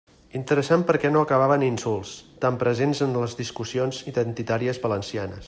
Interessant perquè no acabava en insults, tan presents en les discussions identitàries valencianes.